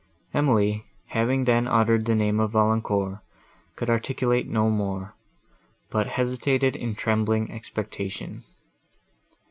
Emily, having then uttered the name of Valancourt, could articulate no more, but hesitated in trembling expectation.